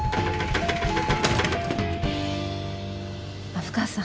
虻川さん。